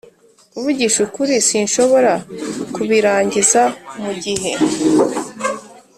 kuvugisha ukuri, sinshobora kubirangiza mugihe.